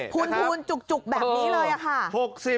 คูณจุกแบบนี้เลยค่ะ